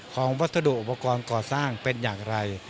วัสดุอุปกรณ์ก่อสร้างเป็นอย่างไร